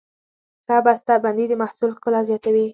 ښه بسته بندي د محصول ښکلا زیاتوي.